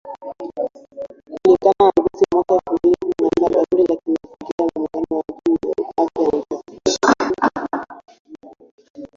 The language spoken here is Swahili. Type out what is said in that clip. kulingana na ripoti ya mwaka elfu mbili kumi na saba ya kundi la kimazingira la Muungano juu ya Afya na Uchafuzi